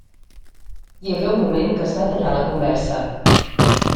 Hi hagué un moment que es va tallar la conversa.